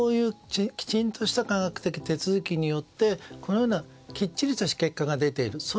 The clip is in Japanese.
きちんとした科学的手続きによってこのようなきっちりとした結果が出ている。